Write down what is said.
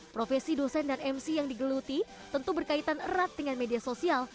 profesi dosen dan mc yang digeluti tentu berkaitan erat dengan media sosial